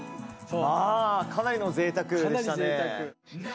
まあかなりのぜいたくでしたね！